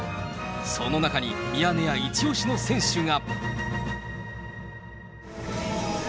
その中に、ミヤネ屋一押しの選手が。